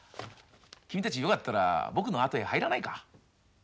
君たちよかったら僕のあとへ入らないか？